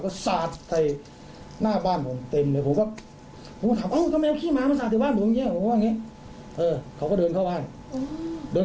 ก็สาดใส่หน้าบ้านผมเต็มเลย